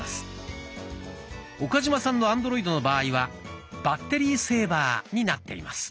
岡嶋さんのアンドロイドの場合は「バッテリーセーバー」になっています。